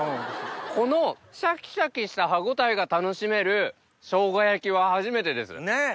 このシャキシャキした歯応えが楽しめるショウガ焼きは初めてです。ねぇ！